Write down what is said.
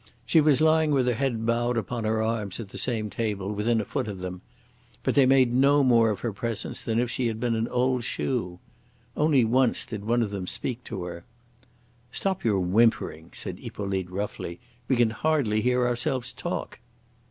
She was lying with her head bowed upon her arms at the same table, within a foot of them. But they made no more of her presence than if she had been an old shoe. Only once did one of them speak to her. "Stop your whimpering," said Hippolyte roughly. "We can hardly hear ourselves talk."